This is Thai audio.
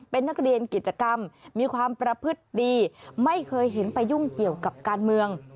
เป็นนักเรียนกิจกรรมมีความประพฤติดีไม่เคยเห็นไปยุ่งเกี่ยวกับการเมือง